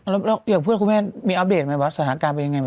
แล้วอย่างเพื่อนคุณแม่มีอัปเดตไหมว่าสถานการณ์เป็นยังไง